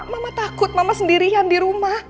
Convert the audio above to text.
mama takut mama sendirian di rumah